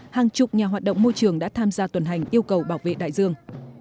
hàng chục nhà hoạt động môi trường đã tham gia tuần hành yêu cầu bảo vệ đại dương